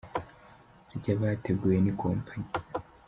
rya byateguwe n’ikompanyi.